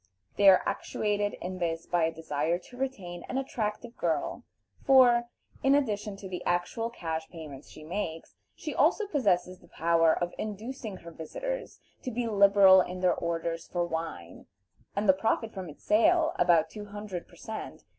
They are actuated in this by a desire to retain an attractive girl; for, in addition to the actual cash payments she makes, she also possesses the power of inducing her visitors to be liberal in their orders for wine, and the profit from its sale, about two hundred per cent.